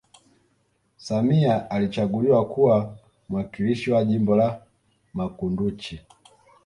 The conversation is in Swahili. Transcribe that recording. samia alichaguliwa kuwa mwakilishi wa jimbo la makunduchi